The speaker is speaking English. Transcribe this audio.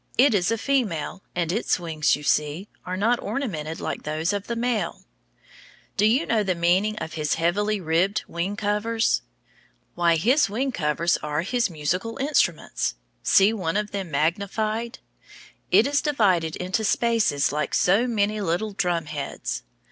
It is a female, and its wings, you see, are not ornamented like those of the male. Do you know the meaning of his heavily ribbed wing covers? Why, his wing covers are his musical instruments. See one of them magnified. It is divided into spaces like so many little drum heads.